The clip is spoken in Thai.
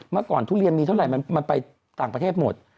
เมื่อก่อนทุเรียนมีเท่าไหร่มันไปต่างประเทศหมด